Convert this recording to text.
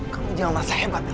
kamu jangan rasa hebat ya